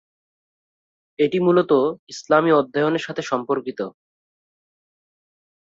এটি মূলত ইসলামী অধ্যয়নের সাথে সম্পর্কিত।